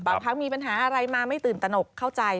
บางครั้งมีปัญหาอะไรมาไม่ตื่นตนกเข้าใจ